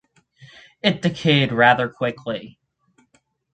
It decayed rather quickly.